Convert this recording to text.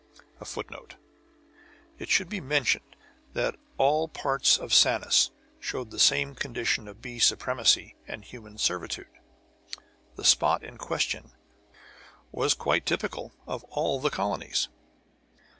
[Footnote: It should be mentioned that all parts of Sanus showed the same condition of bee supremacy and human servitude. The spot in question was quite typical of all the colonies.